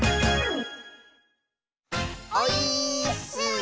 オイーッス！